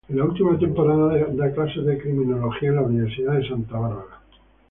En la última temporada da clases de criminología en la Universidad de Santa Bárbara.